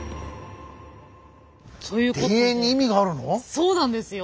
そうなんですよ。